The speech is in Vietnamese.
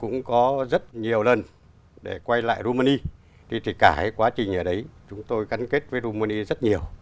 nhiều lần để quay lại jumani thì cả quá trình ở đấy chúng tôi cắn kết với jumani rất nhiều